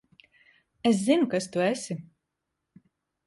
Es zinu, kas tu esi.